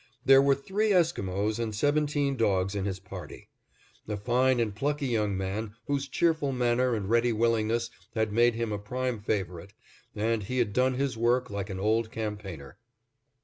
There were three Esquimos and seventeen dogs in his party. A fine and plucky young man, whose cheerful manner and ready willingness had made him a prime favorite; and he had done his work like an old campaigner.